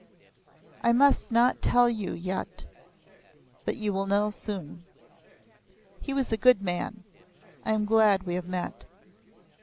"I must not tell you yet but you will know soon. He was a good man. I am glad we have met."